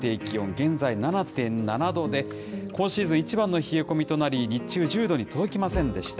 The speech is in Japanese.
現在、７．７度で、今シーズン一番の冷え込みとなり、日中１０度に届きませんでした。